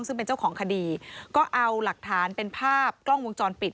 ซึ่งเป็นเจ้าของคดีก็เอาหลักฐานเป็นภาพกล้องวงจรปิด